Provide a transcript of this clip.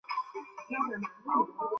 念食也称为意思食。